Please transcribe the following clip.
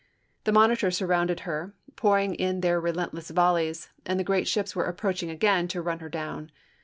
The monitors surrounded her, pouring in their relentless volleys, and the great ships were approaching again to run her down.